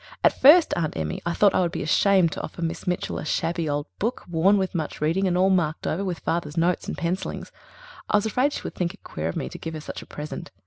At first, Aunt Emmy, I thought I would be ashamed to offer Miss Mitchell a shabby old book, worn with much reading and all marked over with father's notes and pencillings. I was afraid she would think it queer of me to give her such a present.